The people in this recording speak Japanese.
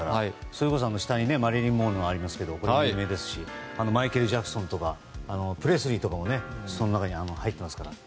それこそ、下にマリリン・モンローもありますがこれは有名ですしマイケル・ジャクソンとかプレスリーとかもその中に入っていますから。